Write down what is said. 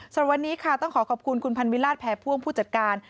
ส่วนวันนี้ค่ะต้องขอขอบคุณคุณพันวิราชแพรพ่วงผู้จัดการ